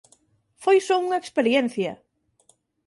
Foi só unha experiencia!